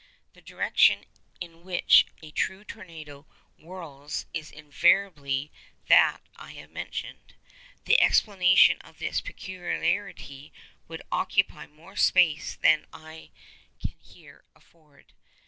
The direction in which a true tornado whirls is invariably that I have mentioned. The explanation of this peculiarity would occupy more space than I can here afford.